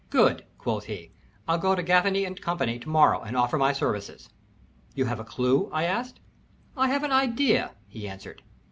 "Good," quoth he. "I'll go to Gaffany & Co. to morrow and offer my services." "You have a clew?" I asked. "I have an idea," he answered.